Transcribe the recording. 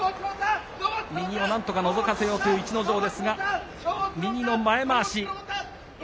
右をなんとかのぞかせようという逸ノ城ですが、右の前まわし。